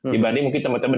dibanding mungkin teman teman